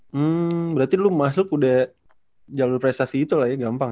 hmm berarti lu masuk udah jalur prestasi itulah ya gampang ya